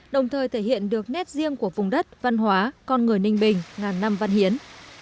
đồng thời thể hiện được nét riêng của vùng đất văn hóa con người ninh bình ngàn năm văn hiến